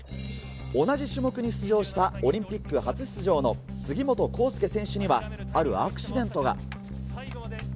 同じ種目に出場した、オリンピック初出場の杉本幸祐選手には、あるアクシデントが。